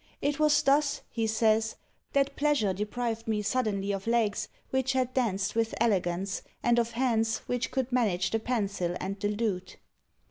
"It was thus," he says, "that pleasure deprived me suddenly of legs which had danced with elegance, and of hands, which could manage the pencil and the lute."